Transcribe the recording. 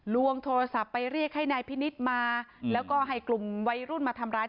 ลวงโทรศัพท์ไปเรียกให้นายพินิษฐ์มาแล้วก็ให้กลุ่มวัยรุ่นมาทำร้าย